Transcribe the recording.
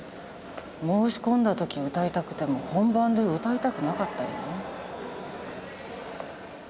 申し込んだ時歌いたくても本番で歌いたくなかったりね。